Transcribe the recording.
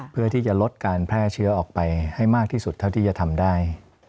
เพื่อที่จะลดการแพร่เชื้อออกไปให้มากที่สุดเท่าที่จะทำได้